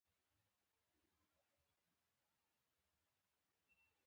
بې مهارته هڅه بې پایلې وي.